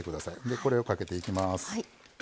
これをかけていきます。